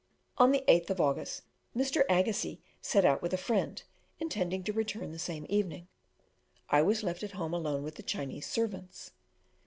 On the 8th of August, Mr. Agassiz set out with a friend, intending to return the same evening. I was left at home alone with the Chinese servants.